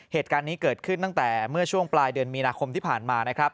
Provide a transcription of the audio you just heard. เหตุการณ์นี้เกิดขึ้นตั้งแต่เมื่อช่วงปลายเดือนมีนาคมที่ผ่านมานะครับ